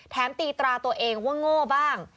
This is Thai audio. ตีตราตัวเองว่าโง่บ้าง